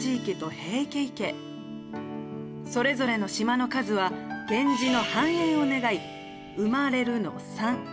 それぞれの島の数は源氏の繁栄を願い産まれるの３。